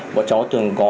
mọi cháu thường có